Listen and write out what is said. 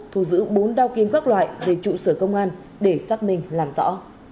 thu giữ bốn đao kiếm các loại về trụ sở công an để xác minh làm rõ